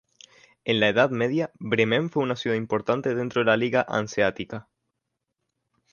En la Edad Media Bremen fue una ciudad importante dentro de la Liga Hanseática.